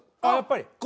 あっやっぱり？